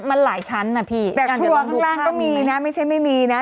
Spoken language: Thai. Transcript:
มันหลายชั้นนะพี่แต่ทัวร์ข้างล่างก็มีนะไม่ใช่ไม่มีนะ